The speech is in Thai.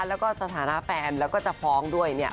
แล้วก็สถานะแฟนแล้วก็จะฟ้องด้วยเนี่ย